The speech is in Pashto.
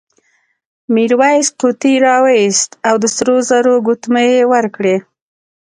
میرويس قوطۍ راوایستې او سرو زرو ګوتمۍ یې ورکړې.